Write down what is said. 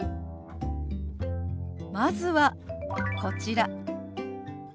まずはこちら。